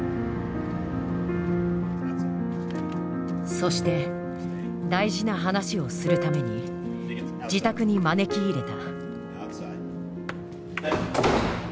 そして大事な話をするために自宅に招き入れた。